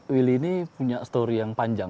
willy ini punya story yang panjang